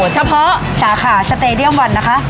เฉพาะสาขาสเตรเรียมวันนะครับ